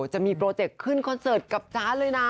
จะมีโปรเจคขึ้นคอนเสิร์ตกับจ๊ะเลยนะ